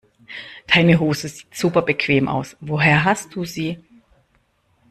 Deine Hose sieht super bequem aus, woher hast du sie?